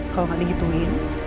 kalau gak digituin